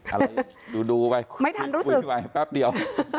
อะไรดูไปไม่ทันรู้สึกคุยไปแป๊บเดียว